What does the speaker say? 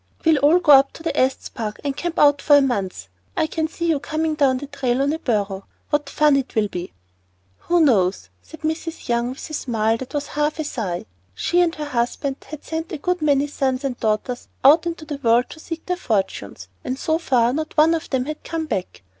We'll all go up to Estes Park and camp out for a month. I can see you now coming down the trail on a burro, what fun it will be." "Who knows?" said Mrs. Young, with a smile that was half a sigh. She and her husband had sent a good many sons and daughters out into the world to seek their fortunes, and so far not one of them had come back.